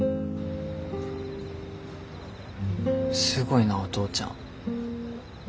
すごいなお父ちゃん。